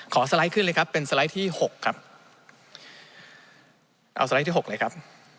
สไลด์ขึ้นเลยครับเป็นสไลด์ที่หกครับเอาสไลด์ที่หกเลยครับ